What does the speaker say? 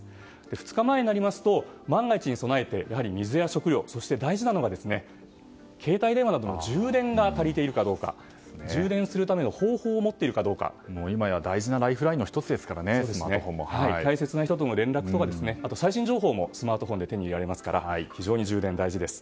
２日前になりますと万が一に備えてやはり水や食料そして大事なのが携帯電話の充電が足りているかどうか充電するための方法を今や大事なライフラインの大切な人との連絡とか最新情報もスマートフォンで手に入れられますから非常に充電、大事です。